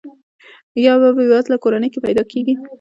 یا په بې وزله کورنۍ کې پیدا کیږي.